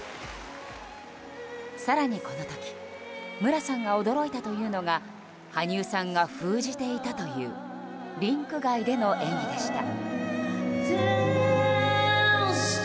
更に、この時無良さんが驚いたというのが羽生さんが封じていたというリンク外での演技でした。